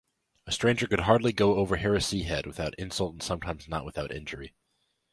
A stranger could hardly go over Harriseahead without insult and sometimes not without injury.